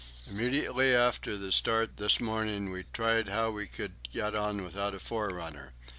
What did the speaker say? Immediately after the start this morning we tried how we could get on without a forerunner.